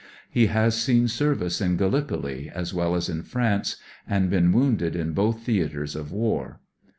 He has seen service in Gallipoli, as well as in France, and been wounded in both theatres of war.